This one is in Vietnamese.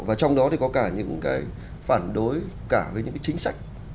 và trong đó thì có cả những cái phản đối cả với những cái chính sách